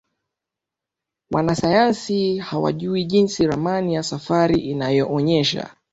Wanasayansi hawajui Jinsi Ramani ya safari inayoonyesha